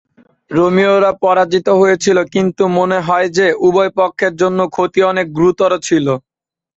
রোমীয়রা পরাজিত হয়েছিল কিন্তু মনে হয় যে, উভয় পক্ষের জন্য ক্ষতি অনেক গুরুতর ছিল।